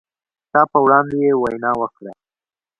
ستا په وړاندې يې وينه وکړه